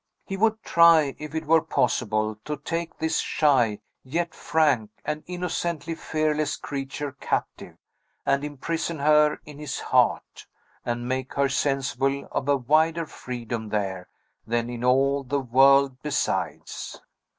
He would try if it were possible to take this shy, yet frank, and innocently fearless creature captive, and imprison her in his heart, and make her sensible of a wider freedom there, than in all the world besides.